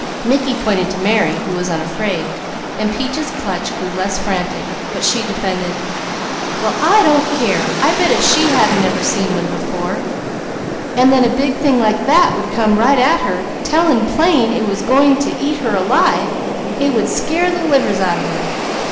Mickey pointed to Mary, who was unafraid, and Peaches' clutch grew less frantic but she defended: "Well, I don't care! I bet if she hadn't ever seen one before, an' then a big thing like that would come right at her, tellin' plain it was goin' to eat her alive, it would scare the livers out of her."